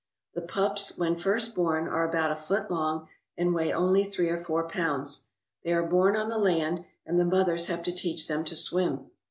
The pups when first born are about a foot long and weigh only three or four pounds. They are born on the land, and the mothers have to teach them to swim.